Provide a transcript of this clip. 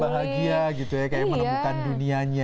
begitu dia bahagia gitu ya kayak menemukan dunianya